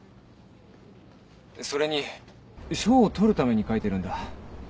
それに賞を取るために書いてるんだ。